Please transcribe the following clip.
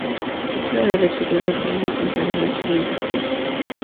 Sufre de deterioro urbano y contaminación industrial.